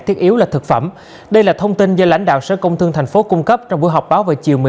thưa quý vị không làm chủ được tốc độ